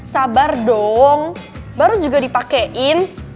sabar dong baru juga dipakaiin